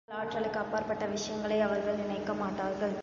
தங்கள் ஆற்றலுக்கு அப்பாற்பட்ட விஷயங்களை அவர்கள் நினைக்க மாட்டார்கள்.